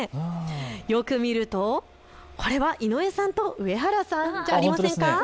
よく見るとこれは井上さんと上原さんじゃありませんか。